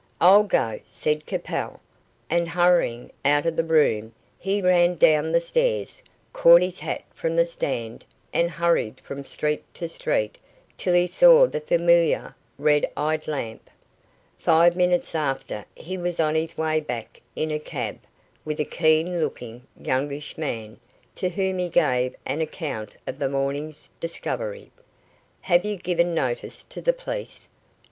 "I'll go," said Capel, and hurrying out of the room, he ran down the stairs, caught his hat from the stand, and hurried from street to street till he saw the familiar red eyed lamp. Five minutes after he was on his way back in a cab, with a keen looking, youngish man, to whom he gave an account of the morning's discovery. "Have you given notice to the police?"